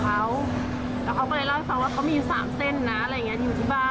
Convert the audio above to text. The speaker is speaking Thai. กลัวกระเป๋าเงินหาย